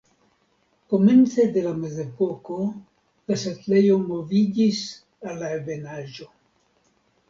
Komence de la Mezepoko la setlejo moviĝis al la ebenaĵo.